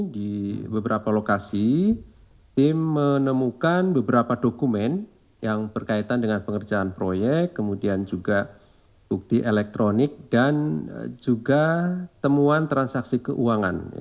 di beberapa lokasi tim menemukan beberapa dokumen yang berkaitan dengan pengerjaan proyek kemudian juga bukti elektronik dan juga temuan transaksi keuangan